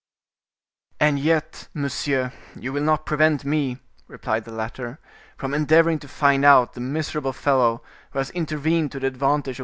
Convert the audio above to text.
"And yet, monsieur, you will not prevent me," replied the latter, "from endeavoring to find out the miserable fellow who has intervened to the advantage of M.